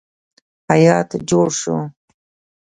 هیات جوړ شو.